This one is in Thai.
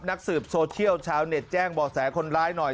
นักสืบโซเชียลชาวเน็ตแจ้งบ่อแสคนร้ายหน่อย